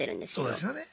そうですよね。